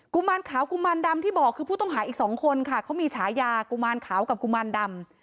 ุมารขาวกุมารดำที่บอกคือผู้ต้องหาอีกสองคนค่ะเขามีฉายากุมารขาวกับกุมารดำ